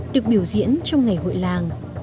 được biểu diễn trong ngày hội làng